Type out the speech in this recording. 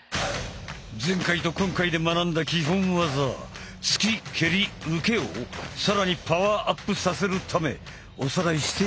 前回と今回で学んだ基本技突き蹴り受けを更にパワーアップさせるためおさらいしていこう。